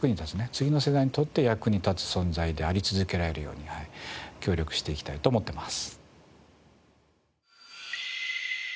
次の世代にとって役に立つ存在であり続けられるように協力していきたいと思ってます。